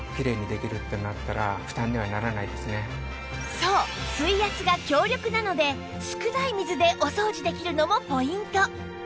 そう水圧が強力なので少ない水でお掃除できるのもポイント